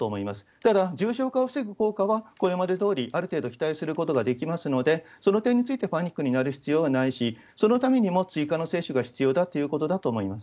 ただ、重症化を防ぐ効果はこれまでどおり、ある程度期待することができますので、その点についてパニックになる必要はないし、そのためにも追加の接種が必要だということだと思います。